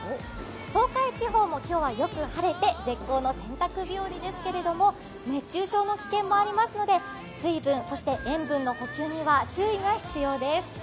東海地方も今日はよく晴れて絶好の洗濯日和ですけれども熱中症の危険もありますので水分、塩分の補給には注意が必要です。